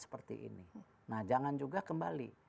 seperti ini nah jangan juga kembali